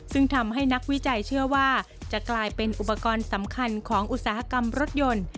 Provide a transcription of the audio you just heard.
ซึ่งทำให้นักวิจัยเชื่อว่าจะกลายเป็นอุปกรณ์สำคัญของอุตสาหกรรมรถยนต์